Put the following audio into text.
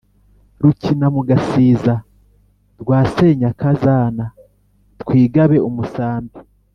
Rukinamugasiza rwa Senyakazana twigabe-Umusambi.